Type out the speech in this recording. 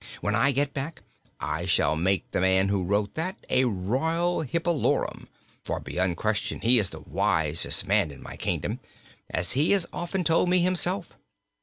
When I get back I shall make the man who wrote that a royal hippolorum, for, beyond question, he is the wisest man in my kingdom as he has often told me himself."